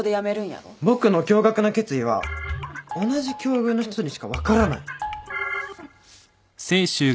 僕の驚愕の決意は同じ境遇の人にしか分からない。